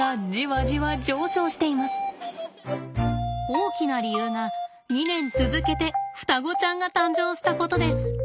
大きな理由が２年続けて双子ちゃんが誕生したことです。